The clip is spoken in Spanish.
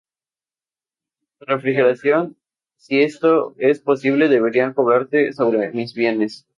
Su refrigeración, si esto es posible, debería cobrarse sobre mis bienes.